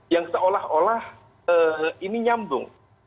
yang seolah olah ini nyambung